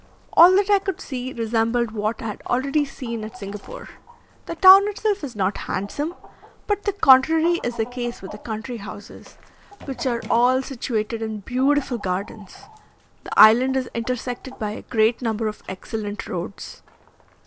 All that I could see resembled what I had already seen at Singapore. The town itself is not handsome, but the contrary is the case with the country houses, which are all situated in beautiful gardens. The island is intersected by a great number of excellent roads.